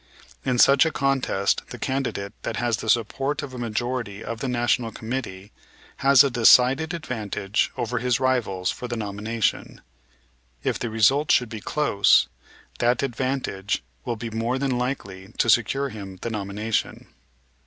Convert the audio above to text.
In such a contest the candidate that has the support of a majority of the National Committee has a decided advantage over his rivals for the nomination. If the result should be close that advantage will be more than likely to secure him the nomination.